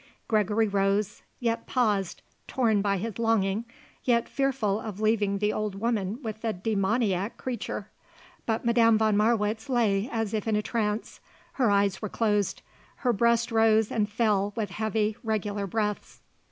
Gregory rose, yet paused, torn by his longing, yet fearful of leaving the old woman with the demoniac creature. But Madame von Marwitz lay as if in a trance. Her lids were closed. Her breast rose and fell with heavy, regular breaths.